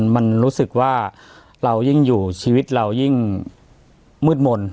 มันรู้สึกว่าเรายิ่งอยู่ชีวิตเรายิ่งมืดมนต์